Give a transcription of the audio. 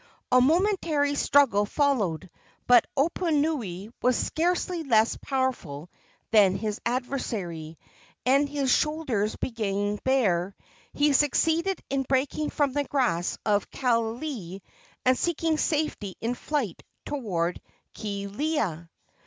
A momentary struggle followed; but Oponui was scarcely less powerful than his adversary, and, his shoulders being bare, he succeeded in breaking from the grasp of Kaaialii and seeking safety in flight toward Kealia.